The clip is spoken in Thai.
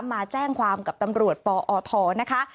มาแจ้งความกับตำรวจปอทนะคะ